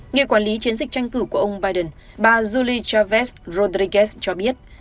người quản lý chiến dịch tranh cử của ông biden bà julie chavez rodriguez cho biết